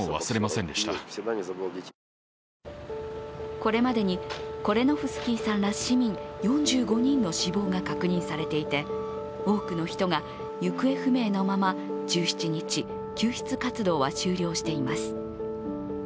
これまでにコレノフスキーさんら市民４５人の死亡が確認されていて、多くの人が行方不明のまま１７日、救出活動は終了しています。